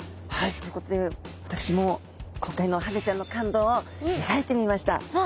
ということで私も今回のハゼちゃんの感動を描いてみました。